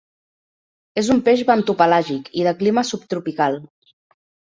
És un peix bentopelàgic i de clima subtropical.